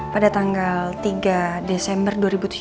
pada tanggal tiga desember